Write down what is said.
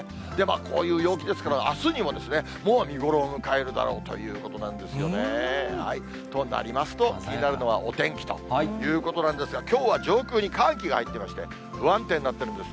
こういう陽気ですから、あすにもですね、もう見頃を迎えるだろうということなんですよね。となりますと、気になるのはお天気ということなんですが、きょうは上空に寒気が入っていまして、不安定になっているんです。